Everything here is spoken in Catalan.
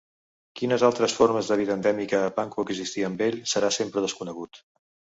Quines altres formes de vida endèmica van coexistir amb ell, serà sempre desconegut.